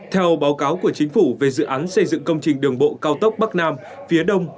theo báo cáo của chính phủ về dự án xây dựng công trình đường bộ cao tốc bắc nam phía đông